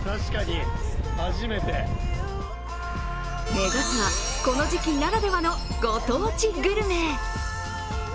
目指すは、この時期ならではのご当地グルメ。